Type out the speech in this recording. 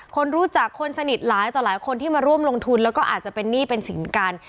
คนรู้จักคนสนิทหลายต่อหลายคนที่มาร่วมลงทุนแล้วก็อาจจะเป็นหนี้เป็นสินกัน